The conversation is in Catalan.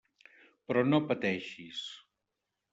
Però no pateixis.